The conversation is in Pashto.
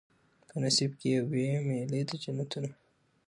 په نصیب یې وي مېلې د جنتونو